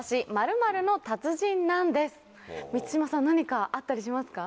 満島さん何かあったりしますか？